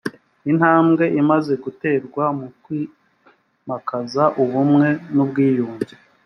intambwe imaze guterwa mu kwimakaza ubumwe n’ubwiyunge